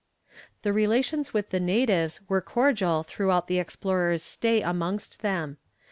The relations with the natives were cordial throughout the explorer's stay amongst them.